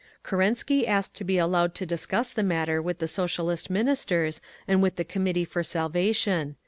Kerensky asked to be allowed to discuss the matter with the Socialist Ministers and with the Committee for Salvation.